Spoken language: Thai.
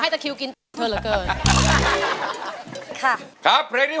หลังจากนี้เธอเล่นให้ตัดสินใจของคุณแอมค่ะว่า